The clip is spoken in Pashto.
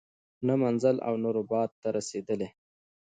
نه منزل او نه رباط ته رسیدلی